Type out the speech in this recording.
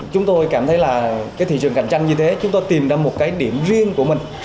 chúng tôi cảm thấy là cái thị trường cạnh tranh như thế chúng tôi tìm ra một cái điểm riêng của mình